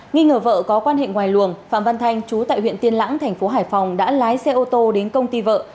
nghi ngờ vợ có quan hệ ngoài luồng phạm văn thanh chú tại huyện tiên lãng thành phố hải phòng đã lái xe ô tô đến công ty vợ